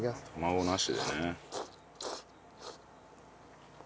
卵なしでね。